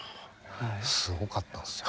すごかったんですよ。